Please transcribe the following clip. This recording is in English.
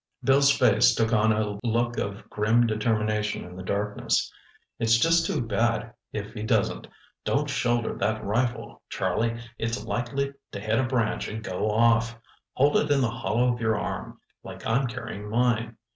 Bill's face took, on a look of grim determination in the darkness. "It's just too bad if he doesn't. Don't shoulder that rifle, Charlie. It's likely to hit a branch and go off. Hold it in the hollow of your arm, like I'm carrying mine.